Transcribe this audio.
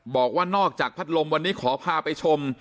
บอกว่านอกจากพัดลมวันนี้ขอพาไปชม